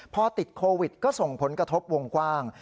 พอติดโควิดก็ส่งผลกระทบวงกว้าง